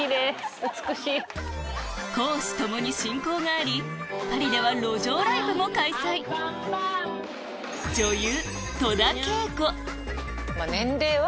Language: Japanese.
公私共に親交がありパリでは路上ライブも開催女優